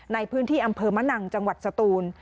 ในพื้นที่อำเภอมะนังจังหวัดสตูน